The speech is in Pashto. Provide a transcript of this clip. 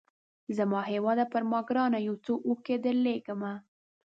زما هیواده پر ما ګرانه یو څو اوښکي درلېږمه